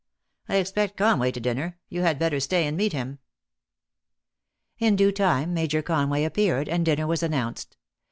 I expect Conway to dinner. You had better stay and meet him." In due time Major Conway appeared, and dinner was announced.